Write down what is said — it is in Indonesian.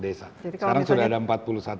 desa sekarang sudah ada